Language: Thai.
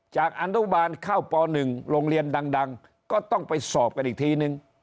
อนุบาลเข้าป๑โรงเรียนดังก็ต้องไปสอบกันอีกทีนึง